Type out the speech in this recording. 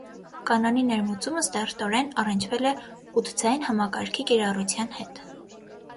Կանոնի ներմուծումը սերտորեն առնչվել է ութձայն համակարգի կիրառության հետ։